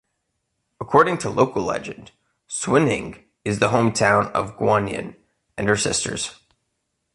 According to local legend, Suining is the Hometown of Guanyin and her sisters.